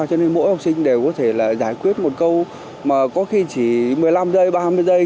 cho nên mỗi học sinh đều có thể là giải quyết một câu mà có khi chỉ một mươi năm giây ba mươi giây